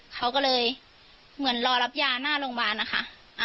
เขาก็เลยเหมือนรอรับยาหน้าโรงพยาบาลนะคะ